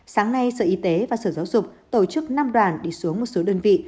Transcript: sáng nay sở y tế và sở giáo dục tổ chức năm đoàn đi xuống một số đơn vị